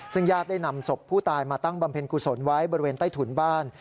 ซึ่งญาติได้นำศพผู้ตายมาตั้งบำเพ็ญกุศลไว้บริเวณใต้ถุนบ้าน